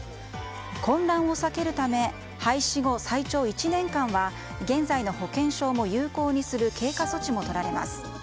混乱を避けるため廃止後、最長１年間は現在の保険証も有効にする経過措置もとられます。